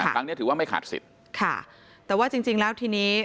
ครั้งนี้ถือว่าไม่ขาดสิทธิ์ค่ะแต่ว่าจริงจริงแล้วทีนี้